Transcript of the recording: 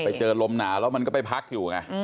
ไปเจอลมหนาวแล้วมันก็ไปพักอยู่ไง